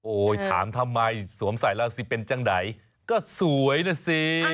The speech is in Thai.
ถามทำไมสวมใส่แล้วสิเป็นจังไหนก็สวยนะสิ